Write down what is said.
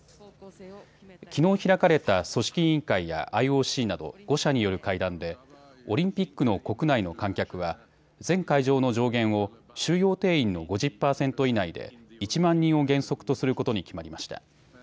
きのう開かれた組織委員会やＩＯＣなど５者による会談でオリンピックの国内の観客は全会場の上限を収容定員の５０％以内で１万人を原則とすることに決まりました。